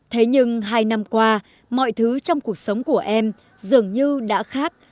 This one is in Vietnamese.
thế nhưng hai năm qua mọi thứ trong cuộc sống của em dường như đã khác